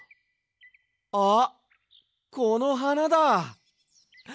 あっこのはなだ！